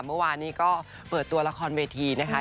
เมื่อวานนี้ก็เปิดตัวละครเวทีนะคะ